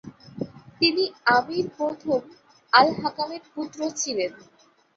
তিনি আমির প্রথম আল-হাকামের পুত্র ছিলেন।